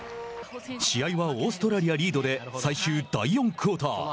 試合はオーストラリアリードで最終第４クオーター。